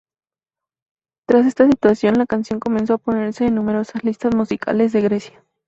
Tras esta actuación, la canción comenzó a ponerse en numerosas listas musicales de Grecia.